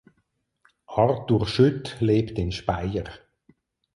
Artur Schütt lebt in Speyer.